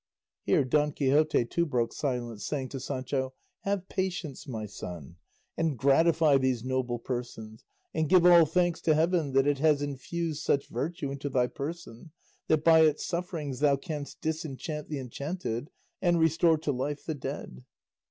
Here Don Quixote, too, broke silence, saying to Sancho, "Have patience, my son, and gratify these noble persons, and give all thanks to heaven that it has infused such virtue into thy person, that by its sufferings thou canst disenchant the enchanted and restore to life the dead."